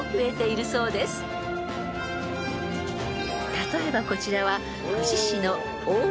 ［例えばこちらは］